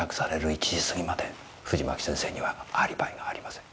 １時過ぎまで藤巻先生にはアリバイがありません。